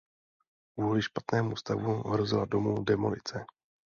Kvůli špatnému stavu hrozila domu demolice.